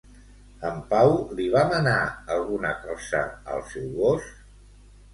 En Pau li va manar alguna cosa al seu gos?